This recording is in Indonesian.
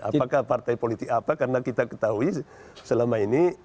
apakah partai politik apa karena kita ketahui selama ini